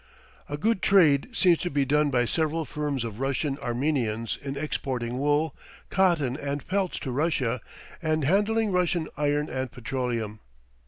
A good trade seems to be done by several firms of Russian Armenians in exporting wool, cotton, and pelts to Russia, and handling Russian iron and petroleum.